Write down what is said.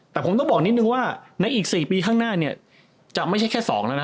แต่ผมต้องบอกนิดนึงว่าในอีก๔ปีข้างหน้าเนี่ยจะไม่ใช่แค่๒แล้วนะ